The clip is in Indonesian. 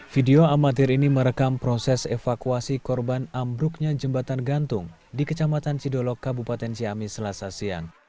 video amatir ini merekam proses evakuasi korban ambruknya jembatan gantung di kecamatan cidolok kabupaten ciamis selasa siang